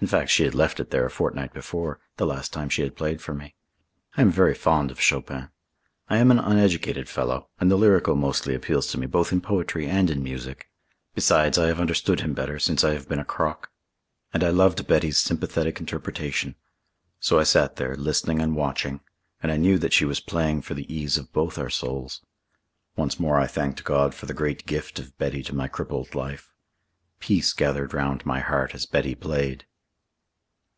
In fact she had left it there a fortnight before, the last time she had played for me. I am very fond of Chopin. I am an uneducated fellow and the lyrical mostly appeals to me both in poetry and in music. Besides, I have understood him better since I have been a crock. And I loved Betty's sympathetic interpretation. So I sat there, listening and watching, and I knew that she was playing for the ease of both our souls. Once more I thanked God for the great gift of Betty to my crippled life. Peace gathered round my heart as Betty played.